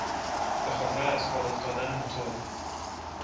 بخاطر از کار افتادن موتور